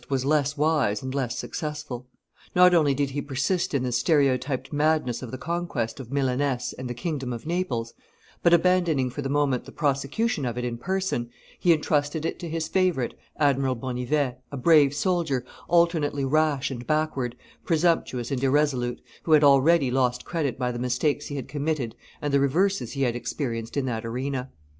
was less wise and less successful. Not only did he persist in the stereotyped madness of the conquest of Milaness and the kingdom of Naples, but abandoning for the moment the prosecution of it in person, he intrusted it to his favorite, Admiral Bonnivet, a brave soldier, alternately rash and backward, presumptuous and irresolute, who had already lost credit by the mistakes he had committed and the reverses he had experienced in that arena.